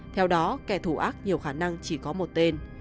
theo đó kẻ thủ ác nhiều khả năng chỉ có một tên